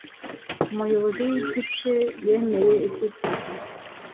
Umuyobozi w'igice yemeye icyifuzo.